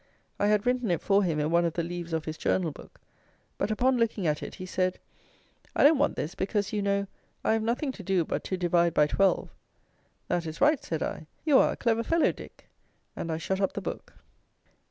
I had written it for him in one of the leaves of his journal book. But, upon looking at it, he said, "I don't want this, because, you know, I have nothing to do but to divide by twelve." That is right, said I, you are a clever fellow, Dick; and I shut up the book.